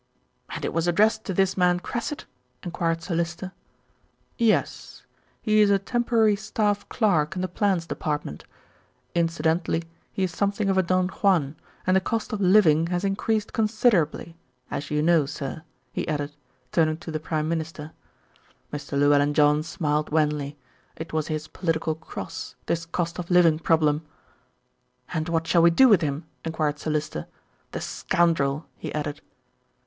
"And it was addressed to this man Cressit?" enquired Sir Lyster. "Yes. He is a temporary staff clerk in the Plans Department. Incidentally he is something of a Don Juan, and the cost of living has increased considerably, as you know, sir," he added, turning to the Prime Minister. Mr. Llewellyn John smiled wanly. It was his political "cross," this cost of living problem. "And what shall we do with him?" enquired Sir Lyster. "The scoundrel," he added.